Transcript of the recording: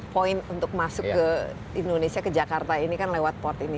poin untuk masuk ke indonesia ke jakarta ini kan lewat port ini